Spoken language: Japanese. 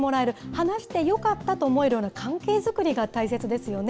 話してよかったと思えるような関係作りが大切ですよね。